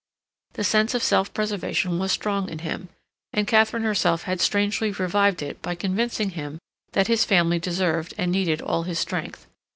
The sense of self preservation was strong in him, and Katharine herself had strangely revived it by convincing him that his family deserved and needed all his strength.